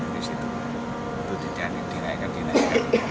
di situ dinaikkan dinaikkan